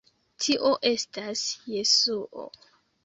Tio estas Jesuo.